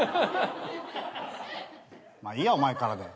まあいいやお前からで。